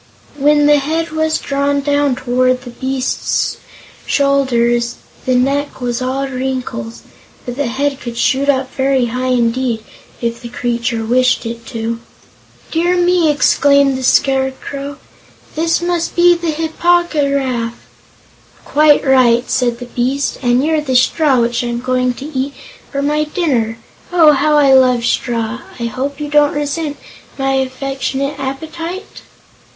When the head was drawn down toward the beast's shoulders, the neck was all wrinkles, but the head could shoot up very high indeed, if the creature wished it to. "Dear me!" exclaimed the Scarecrow, "this must be the Hip po gy raf." "Quite right," said the beast; "and you're the straw which I'm to eat for my dinner. Oh, how I love straw! I hope you don't resent my affectionate appetite?"